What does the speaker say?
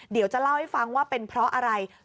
เดี๋ยวจะเล่าให้ฟังว่าเป็นเพราะอะไร